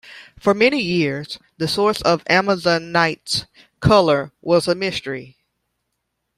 For many years, the source of amazonite's color was a mystery.